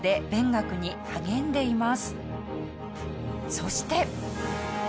そして。